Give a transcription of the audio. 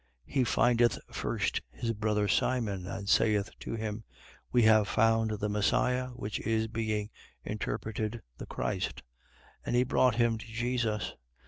1:41. He findeth first his brother Simon and saith to him: We have found the Messias, which is, being interpreted, the Christ. 1:42. And he brought him to Jesus.